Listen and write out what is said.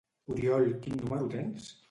—Oriol, quin número tens?